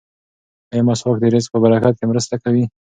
ایا مسواک د رزق په برکت کې مرسته کوي؟